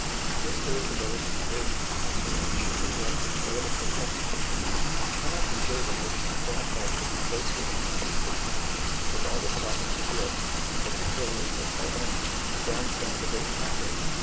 This irritability is, as you know, chiefly directed to political questions. He cannot endure the notion that Buonaparte is negotiating on equal terms with all the sovereigns of Europe and particularly with our own, the grandson of the Great Catherine!